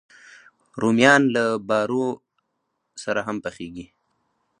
رومیان له بارو سره هم پخېږي